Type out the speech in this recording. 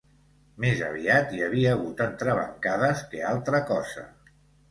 Més aviat hi havia hagut entrebancades que altra cosa.